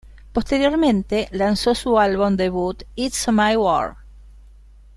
Posteriormente lanzó su álbum debut "It's My War".